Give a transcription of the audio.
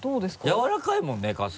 やわらかいもんね春日。